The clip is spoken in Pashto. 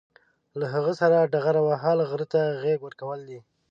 له هغه سره ډغره وهل، غره ته غېږ ورکول دي.